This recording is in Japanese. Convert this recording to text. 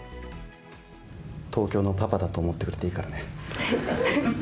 東京のパパだと思ってくれていいからね。